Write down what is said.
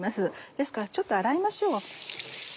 ですからちょっと洗いましょう。